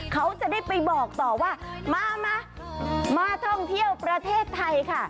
เขาจะได้ไปบอกต่อว่ามามาท่องเที่ยวประเทศไทยค่ะ